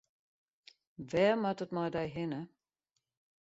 Wêr moat it mei dy hinne?